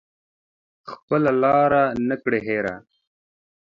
خپله لاره نه کړي هیره